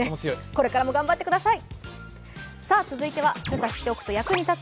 これからも頑張ってください。